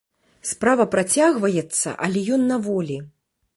Справа працягваецца, але ён на волі.